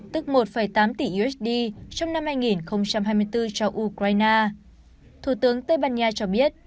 tức một tám tỷ usd trong năm hai nghìn hai mươi bốn cho ukraine thủ tướng tây ban nha cho biết